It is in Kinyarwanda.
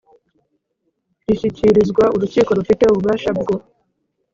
gishyikirizwa urukiko rufite ububasha bwo